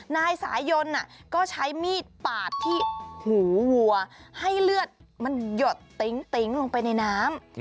นายสายยนก็ใช้มีดปาดที่หูวัวให้เลือดมันหยดติ๊งลงไปในน้ำ